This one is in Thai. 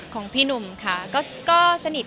คุณแม่มะม่ากับมะมี่